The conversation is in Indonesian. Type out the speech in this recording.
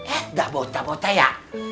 eh daputa daputa ya